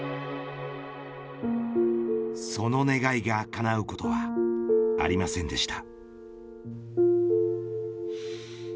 その願いがかなうことはありませんでした。